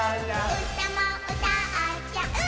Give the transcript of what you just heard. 「うたもうたっちゃう」